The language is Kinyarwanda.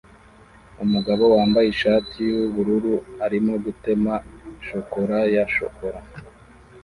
Umugabo wambaye ishati yubururu arimo gutema shokora ya shokora